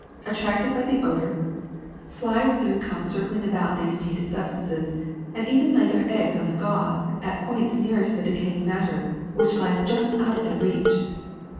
At tracted by the odor, flies soon come circling about FLIES 2^7 these tainted substances, and even lay their eggs on the gauze at the points nearest to the decaying matter which lies just out of their reach.